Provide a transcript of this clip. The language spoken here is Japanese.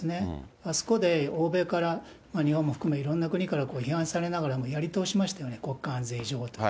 あそこで欧米から日本も含め、いろんな国から批判されながらもやり通しましたよね、国家安全上。